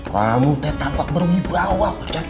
kamu tetap berwibawah ustadz